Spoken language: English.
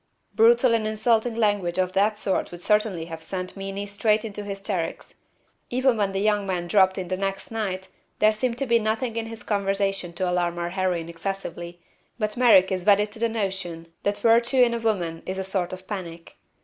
Brutal and insulting language of that sort would certainly have sent Meenie straight into hysterics. Even when the young man dropped in the next night there seemed to be nothing in his conversation to alarm our heroine excessively, but Merrick is wedded to the notion that virtue in a woman is a sort of panic.